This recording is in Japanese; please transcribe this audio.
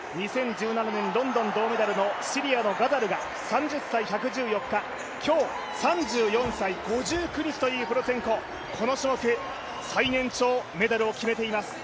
２０１７年ロンドン銅メダルのシリアのガザルが３０歳１１４日、今日３４歳５９日というプロツェンコ、この種目最年長メダルを決めています。